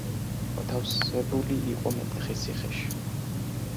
მოთავსებული იყო მეტეხის ციხეში.